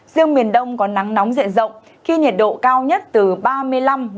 riêng miền đông có nắng nóng dễ dọng khi nhiệt độ cao nhất từ ba mươi năm đến ba mươi bảy độ có nơi còn cao hơn